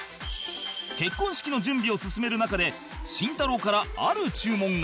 結婚式の準備を進める中で慎太郎からある注文が